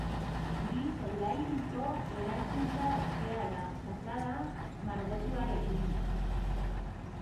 Bi solairuko eraikuntza askea da, fatxada margotuarekin.